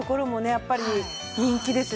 やっぱり人気ですよね。